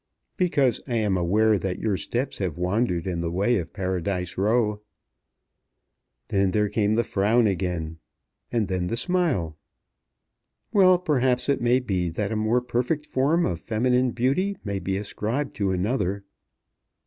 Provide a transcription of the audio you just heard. "Because I am aware that your steps have wandered in the way of Paradise Row." Then there came the frown again, and then the smile. "Well; perhaps it may be that a more perfect form of feminine beauty may be ascribed to another."